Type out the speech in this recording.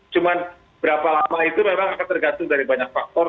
cuman berapa lama itu memang akan tergantung dari banyak faktor